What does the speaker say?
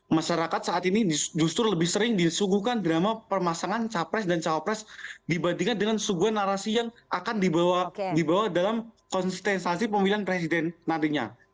masyarakat saat ini justru lebih sering disuguhkan drama permasangan capres dan cawapres dibandingkan dengan suguhan narasi yang akan dibawa dalam konsistensasi pemilihan presiden nantinya